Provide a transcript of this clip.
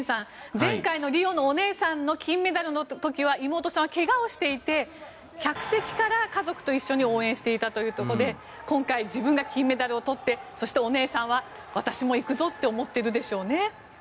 前回のリオのお姉さんの金メダルの時は妹さんはけがをしていて客席から家族と一緒に応援していたということで今回、自分が金メダルをとってお姉さんは私もいくぞと思ってるでしょうね。